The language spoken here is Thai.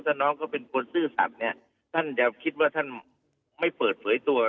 ถ้าน้องเขาเป็นคนซื่อสัตว์เนี่ยท่านจะคิดว่าท่านไม่เปิดเผยตัว